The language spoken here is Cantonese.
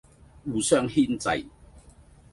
互相牽掣，